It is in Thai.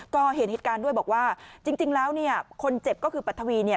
ก็เห็นเหตุการณ์ด้วยบอกว่าจริงแล้วคนเจ็บก็คือปรัฐวี